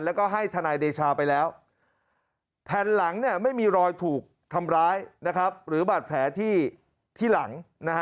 แล้วก็ให้ทนายเดชาไปแล้วแผ่นหลังไม่มีรอยถูกทำร้ายหรือบาดแผลที่หลัง